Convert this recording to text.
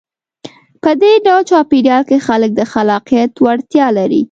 په دې ډول چاپېریال کې خلک د خلاقیت وړتیا لري.